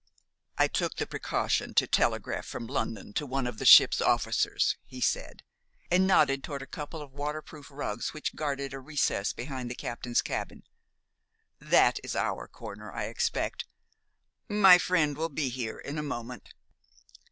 "I took the precaution to telegraph from London to one of the ship's officers," he said, and nodded toward a couple of waterproof rugs which guarded a recess behind the Captain's cabin. "That is our corner, I expect. My friend will be here in a moment."